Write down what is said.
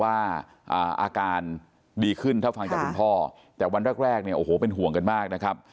ว่าอาการดีขึ้นถ้าฟังจากคุณพ่อแต่วันแรกแรกเนี่ยโอ้โหเป็นห่วงกันมากนะครับ